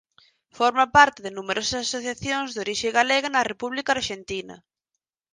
Forma parte de numerosas asociacións de orixe galega na República Arxentina.